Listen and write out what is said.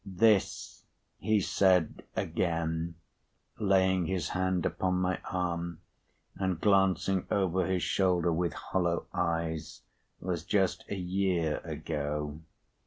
"This," he said, again laying his hand upon my arm, and glancing over his shoulder with hollow eyes, "was just a year ago.